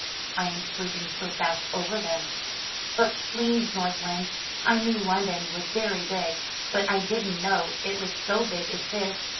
"I am sweeping so fast over them." "But, please. North Wind, I knew London was very big, but I didn't know it was so big as this.